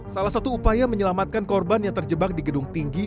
salah satu upaya menyelamatkan korban yang terjebak di gedung tinggi